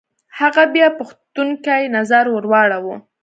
هغه بيا پوښتونکی نظر ور واړوه.